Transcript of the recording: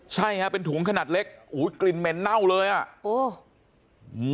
ใช่ฮะเป็นถุงขนาดเล็กกลิ่นเหม็นเน่าเลยอ่ะ